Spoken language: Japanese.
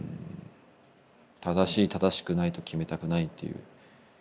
「正しい正しくないと決めたくない」っていう。